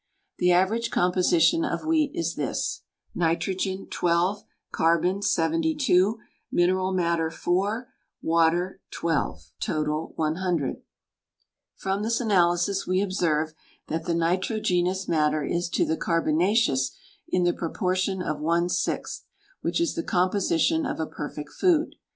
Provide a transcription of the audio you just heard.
The average composition of wheat is this: Nitrogen 12 Carbon 72 Mineral Matter 4 Water 12 100 From this analysis we observe that the nitrogenous matter is to the carbonaceous in the proportion of one sixth, which is the composition of a perfect food.